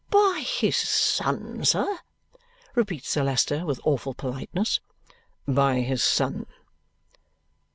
"By his son, sir?" repeats Sir Leicester with awful politeness. "By his son."